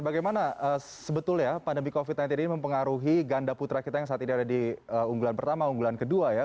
bagaimana sebetulnya pandemi covid sembilan belas ini mempengaruhi ganda putra kita yang saat ini ada di unggulan pertama unggulan kedua ya